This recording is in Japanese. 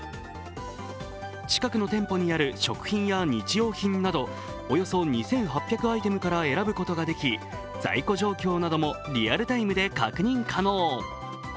近くに店舗にある食品や日用品など、およそ２８００アイテムが選ぶことができ、在庫状況などもリアルタイムで確認可能。